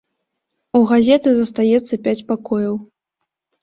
У газеты застаецца пяць пакояў.